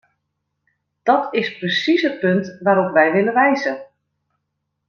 Dat is precies het punt waarop wij willen wijzen.